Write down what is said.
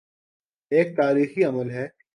ایک تاریخی عمل ہے۔